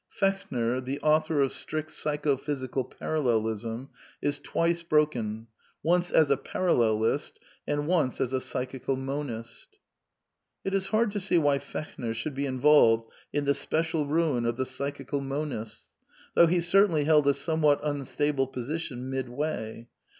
Fechner, the author of strict Psycho physical Parallelism, is twice broken, once as a Parallelist, and once as a Psy chical Monist It is hard to see why Fechner should be involved in the special ruin of the Psychical Monists ; though he certainly held a somewhat unstable position mid way.